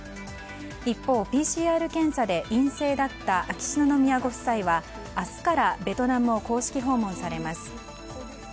一方、ＰＣＲ検査で陰性だった秋篠宮ご夫妻は明日からベトナムを公式訪問されます。